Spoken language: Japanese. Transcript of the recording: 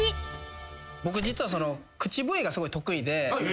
僕実は口笛がすごい得意で。